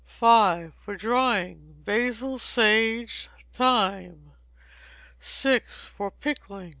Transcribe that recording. v. For Drying. Basil, sage, thyme. vi. For Pickling.